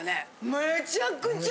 めちゃくちゃ。